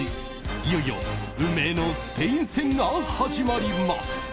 いよいよ運命のスペイン戦が始まります。